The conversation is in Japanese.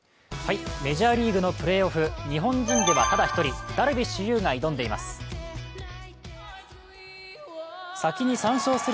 メジャーリーグのプレーオフ、日本人ではただ１人、ダルビッシュ有が挑んでいます。